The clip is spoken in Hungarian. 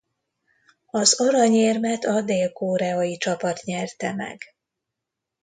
Az aranyérmet a dél-koreai csapat nyerte meg.